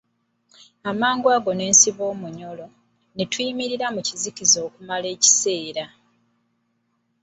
Amangu ago ne nsiba omunyolo, ne tuyimirira mu kizikiza okumala ekiseera.